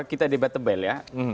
kita debat tebal ya